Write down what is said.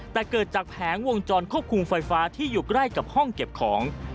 แต่เกิดจากแผงวงจรควบคุมไฟฟ้าที่อยู่ใกล้กับห้องเก็บของ